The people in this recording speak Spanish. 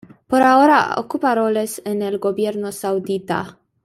Por ahora, ocupa roles en el Gobierno Saudita.